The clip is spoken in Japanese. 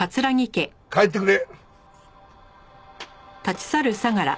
帰ってくれ。